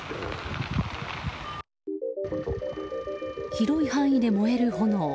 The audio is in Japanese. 広い範囲で燃える炎。